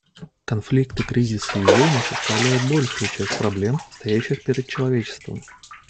Конфликты, кризисы и войны составляют большую часть проблем, стоящих перед человечеством.